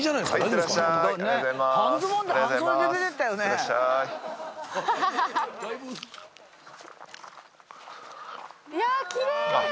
いやぁきれい！